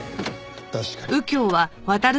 確かに。